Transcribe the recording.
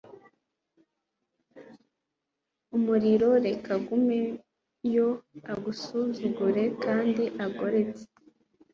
umuriro reka agumeyo agasuzuguro kandi agoretse